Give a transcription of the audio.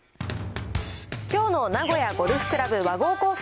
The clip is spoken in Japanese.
きょうの名古屋ゴルフ倶楽部和合コース